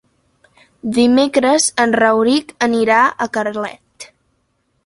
Dimecres en Rauric anirà a Carlet.